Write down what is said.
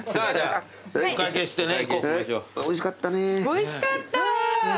おいしかったね。